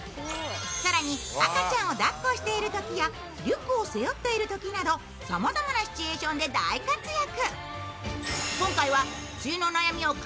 更に赤ちゃんを抱っこしているときやリュックを背負っているときなどさまざまなシチュエーションで大活躍。